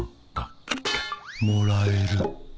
もらえる。